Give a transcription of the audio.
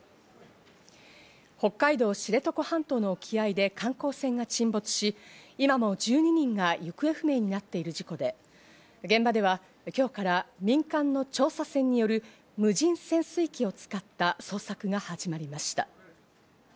北海道・知床半島の沖合で観光船が沈没し、今も１２人が行方不明になっている事故で、現場では今日から民間の調査船による無人潜水機を使った捜索が始まりました。